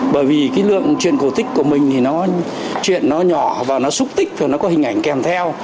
bởi vì cái lượng truyền cổ tích của mình thì nó chuyện nó nhỏ và nó xúc tích rồi nó có hình ảnh kèm theo